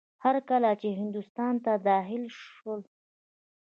هر کله چې هندوستان ته داخل شول.